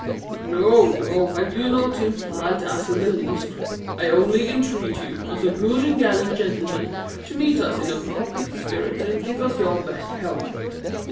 "No, no. I do not imply that in the least. I only entreat you, as a good and gallant gentleman, to meet us in a proper spirit and give us your best help."